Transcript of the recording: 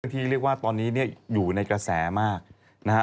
ที่เรียกว่าตอนนี้เนี่ยอยู่ในกระแสมากนะฮะ